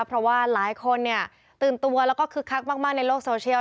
เพราะว่าหลายคนตื่นตัวแล้วก็คึกคักมากในโลกโซเชียล